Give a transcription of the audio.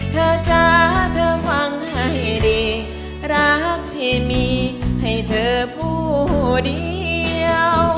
เธอจะเธอวังให้ดีรักที่มีให้เธอพูดได้